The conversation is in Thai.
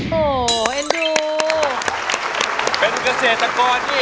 เพื่อจะไปชิงรางวัลเงินล้าน